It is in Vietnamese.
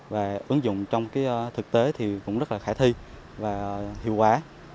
và ứng dụng trong thực tế cũng rất khả thi và hiệu quả